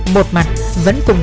một mặt vẫn cùng